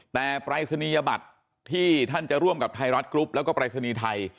แต่ปรายศนียบัตรที่ท่านจะร่วมกับไทยรัฐกรุ๊ปแล้วก็ปรายศนีย์ไทย